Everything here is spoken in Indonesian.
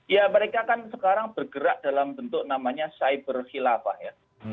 ya mereka kan sekarang bergerak dalam bentuk namanya cyber khilafah ya